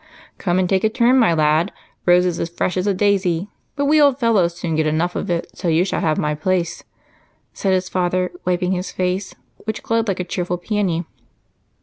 "Come and take a turn, my lad. Rose is fresh as a daisy, but we old fellows soon get enough of it, so you shall have my place," said his father, wiping his face, which glowed like a cheerful peony.